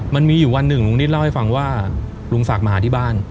มันมีอยู่วันหนึ่งลุงนิดเล่าให้ฟังว่าลุงศักดิ์มาหาที่บ้าน